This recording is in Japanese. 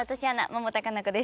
百田夏菜子です。